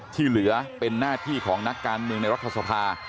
ที่เหลือเป็นหน้าที่ของนักการเมืองในรัฐสภา